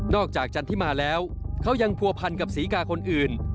จากจันทิมาแล้วเขายังผัวพันกับศรีกาคนอื่น